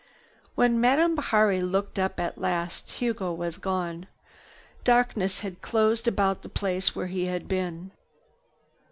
When Madame looked up at last, Hugo was gone. Darkness had closed about the place where he had been.